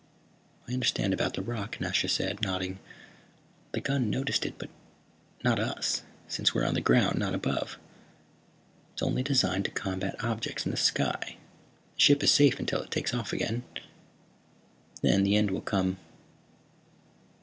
"I understand about the rock," Nasha said, nodding. "The gun noticed it, but not us, since we're on the ground, not above. It's only designed to combat objects in the sky. The ship is safe until it takes off again, then the end will come."